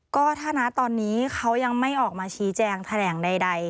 ก็ถ้านะตอนนี้เขายังไม่ออกมาชี้แจงแถลงใด